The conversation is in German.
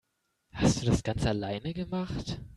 Hast du das ganz alleine gemacht?